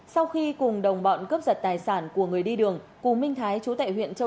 sau khi cùng đồng bọn cướp giật tài sản của người đi đường cù minh thái chú tại huyện châu